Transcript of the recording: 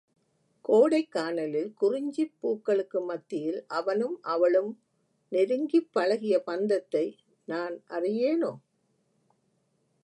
கோடைக்கானலில் குறிஞ்சிப் பூக்களுக்கு மத்தியில் அவனும் அவளும் நெருங்கிப் பழகிய பந்தத்தை நான் அறியேனோ?